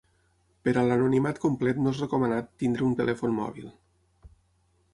Per a l'anonimat complet no és recomanat tenir un telèfon mòbil.